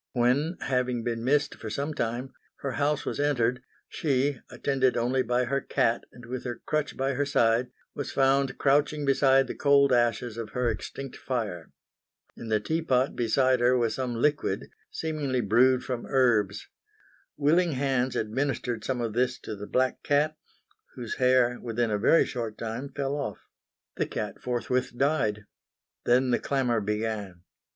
When, having been missed for some time, her house was entered she, attended only by her cat and with her crutch by her side, was found crouching beside the cold ashes of her extinct fire. In the tea pot beside her was some liquid, seemingly brewed from herbs. Willing hands administered some of this to the black cat, whose hair, within a very short time, fell off. The cat forthwith died. Then the clamour began.